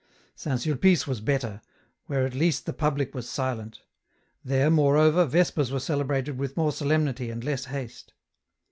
St. Sulpice was better, where at least the public was silent. There, moreover. Vespers were celebrated with more solemnity and less haste.